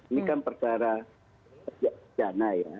ini kan perkara pidana ya